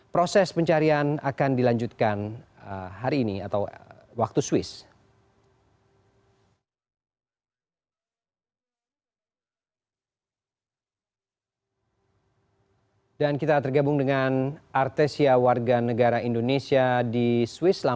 proses pencarian akan dilanjutkan hari ini atau waktu swiss